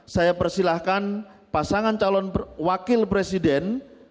saya persilahkan pasangan calon wakil presiden